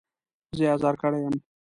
زه يې ازار کړی يم.